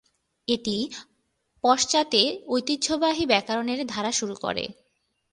এটি পাশ্চাত্যে ঐতিহ্যবাহী ব্যাকরণের ধারা শুরু করে।